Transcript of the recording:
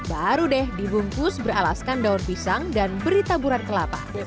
baru deh dibungkus beralaskan daun pisang dan beri taburan kelapa